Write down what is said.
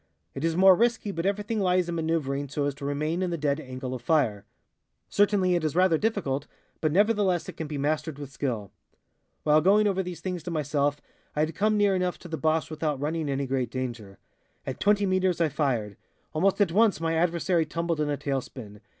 It is more risky, but everything lies in maneuvering so as to remain in the dead angle of fire. Certainly it is rather difficult, but nevertheless it can be mastered with skill. "While going over these things to myself I had come near enough to the Boche without running any great danger. At 20 meters I fired. Almost at once my adversary tumbled in a tail spin.